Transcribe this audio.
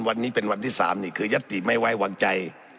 วันนี้เป็นวันที่๓นี่คือยัตติไม่ไว้วางใจ